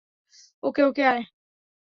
ওকে, okay, আয়।